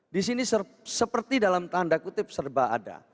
disini seperti dalam tanda kutip serba ada